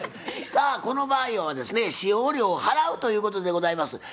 さあこの場合はですね使用料を払うということでございます。